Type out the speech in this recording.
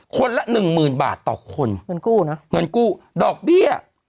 ละหนึ่งหมื่นบาทต่อคนเงินกู้นะเงินกู้ดอกเบี้ย